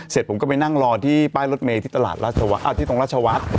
เสร็จผมก็ไปนั่งรอที่ป้ายรถเมย์ที่ตลาดที่ตรงราชวัฒน์